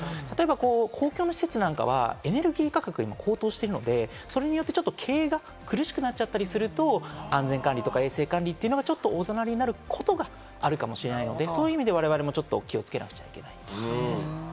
公共の施設なんかは、エネルギー価格が高騰しているので、それによって経営が苦しくなっちゃったりすると、安全管理とか衛生管理がおざなりになることがあるかもしれないので、そういう意味でも我々はちょっと気をつけなくちゃいけない。